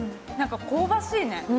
香ばしいね。